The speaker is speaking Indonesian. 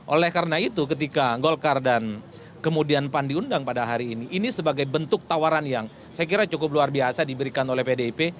oleh karena itu ketika golkar dan kemudian pan diundang pada hari ini ini sebagai bentuk tawaran yang saya kira cukup luar biasa diberikan oleh pdip